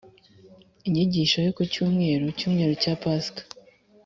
inyigisho yo ku cyumweru, icyumweru cya cya pasika